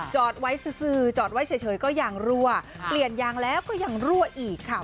จอดไว้ซื้อจอดไว้เฉยก็ยางรั่วเปลี่ยนยางแล้วก็ยังรั่วอีกค่ะ